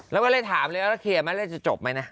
แล้วก็เลยถามเลยแล้วเคลียร์ไหมแล้วจะจบไหมนะ